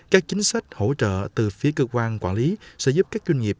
các chính sách hỗ trợ từ phía cơ quan quản lý sẽ giúp các doanh nghiệp